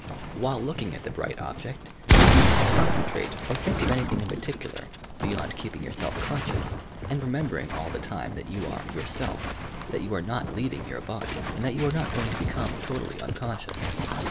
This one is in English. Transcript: While looking at the bright object, do not concentrate or think of any1;hing in particular, beyond keeping your self conscious and remembering all the time that you are "yourself," that you are not leaving your body and that you are not going to become totally unconscious.